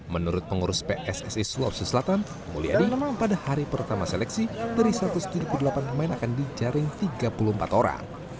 menurut pengurus pssi sulawesi selatan mulyadi pada hari pertama seleksi dari satu ratus tujuh puluh delapan pemain akan dijaring tiga puluh empat orang